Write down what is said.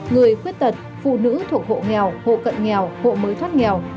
người khuyết tật phụ nữ thuộc hộ nghèo hộ cận nghèo hộ mới thoát nghèo